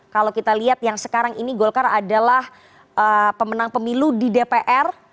kalau kita lihat yang sekarang ini golkar adalah pemenang pemilu di dpr